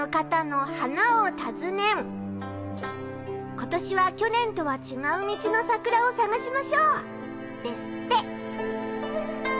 「今年は去年とは違う道の桜を探しましょう」ですって。